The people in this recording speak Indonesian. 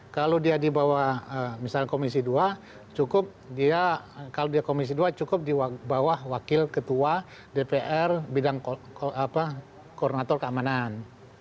kalau dia di bawah misalnya komisi dua cukup dia kalau dia komisi dua cukup di bawah wakil ketua dpr bidang koordinator keamanan